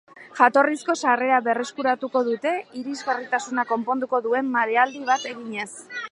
Jatorrizko sarrera berreskuratuko dute, irisgarritasuna konponduko duen mailadi bat eginez.